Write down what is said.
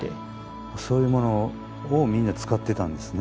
そういうものをみんな使ってたんですね。